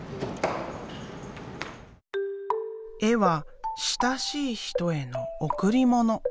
絵は親しい人への贈り物。